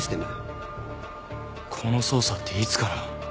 この捜査っていつから。